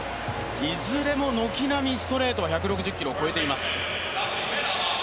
いずれも軒並みストレートは１６０キロを超えています。